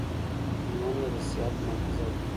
منډه د صحت محافظه ده